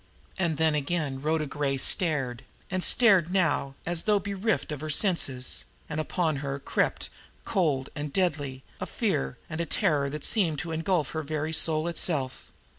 And then again Rhoda Gray stared, and stared now as though bereft of her senses; and upon her crept, cold and deadly, a fear and a terror that seemed to engulf her very soul itself.